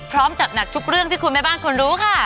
พร้อมจัดหนักทุกเรื่องที่คุณแม่บ้านควรรู้ค่ะ